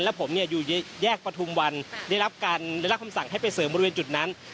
แล้วผมเนี่ยอยู่แยกประทุมวันได้รับการได้รับคำสั่งให้ไปเสริมบริเวณจุดนั้น